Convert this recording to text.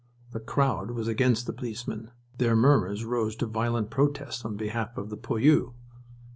The crowd was against the policeman. Their murmurs rose to violent protest on behalf of the poilu.